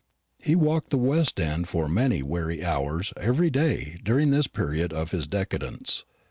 He walked the West end for many weary hours every day during this period of his decadence.